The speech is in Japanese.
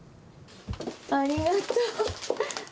ありがとう。